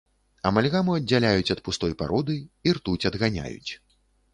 Амальгаму аддзяляюць ад пустой пароды, і ртуць адганяюць.